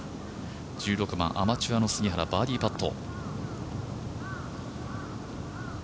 １６番、アマチュアの杉原バーディーパット。